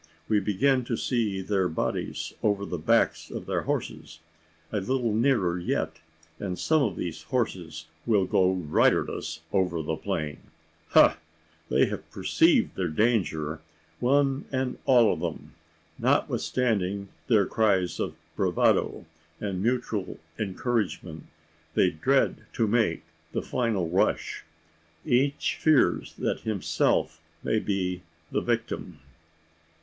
We begin to see their bodies over the backs of their horses. A little nearer yet, and some of these horses will go riderless over the plain! Ha! they have perceived their danger one and all of them. Notwithstanding their cries of bravado, and mutual encouragement, they dread to make the final rush. Each fears that himself may be the victim!